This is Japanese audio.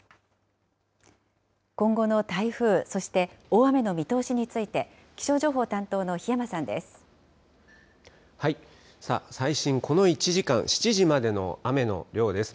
今後の台風そして、大雨の見通しについて、気象情報担当の檜山さ最新、この１時間、７時までの雨の量です。